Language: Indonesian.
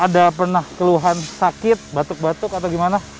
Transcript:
ada pernah keluhan sakit batuk batuk atau gimana